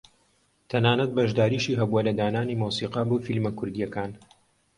تەنانەت بەشداریشی هەبووە لە دانانی مۆسیقا بۆ فیلمە کوردییەکان